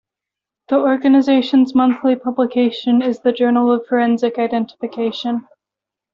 The organization's monthly publication is the Journal of Forensic Identification.